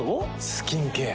スキンケア。